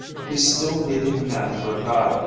He still needed the man for a guide.